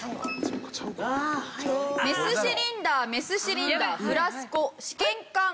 「メスシリンダー」「メスシリンダー」「フラスコ」「試けんかん」